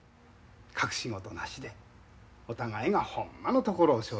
隠し事なしでお互いがほんまのところを承知して決める。